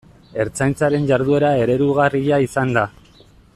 Ertzaintzaren jarduera eredugarria izan da.